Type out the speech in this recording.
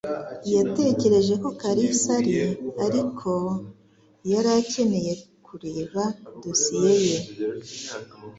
Yatekereje ko Kalisa ari, ariko ... yari akeneye kureba dosiye ye.